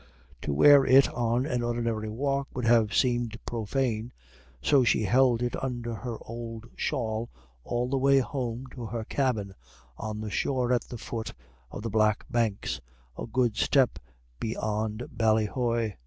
To wear it on an ordinary walk would have seemed profane, so she held it under her old shawl all the way home to her cabin on the shore at the foot of the Black Banks, a good step beyond Ballyhoy.